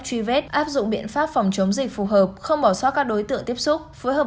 truy vết áp dụng biện pháp phòng chống dịch phù hợp không bỏ sót các đối tượng tiếp xúc phối hợp